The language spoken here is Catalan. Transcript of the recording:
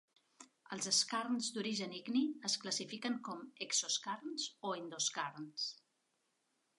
Els skarns d'origen igni es classifiquen com "exoskarns" o "endoskarns".